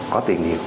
có tiền nhiều